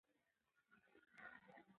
ایا مورنۍ ژبه په زده کړه کې مرسته کوي؟